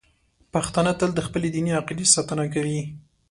پښتانه تل د خپلې دیني عقیدې ساتنه کوي.